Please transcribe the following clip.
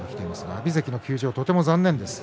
阿炎関の休場がとても残念です。